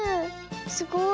すごい。